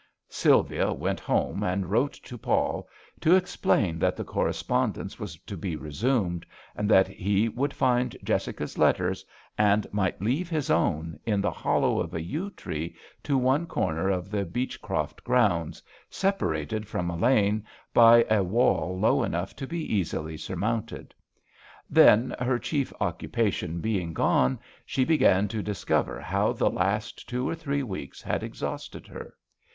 Sylvia went home and wrote to Paul to explain that the corre spondence was to be resumed, and that he would find Jessica's letters, and might leave his own, in the hollow of a yew tree to one corner of the Beechcroft grounds, separated from a lane by a wall low enough to be easily surmounted. Then, her chief occupation being gone, she began to discover how the last two or three weeks had exhausted her.